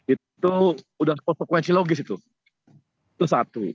itu sudah konsekuensi logis tuh itu satu